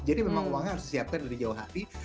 jadi memang uangnya harus disiapkan dari jauh hati